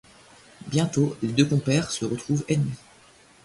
Bientôt, les deux compères se retrouvent ennemis.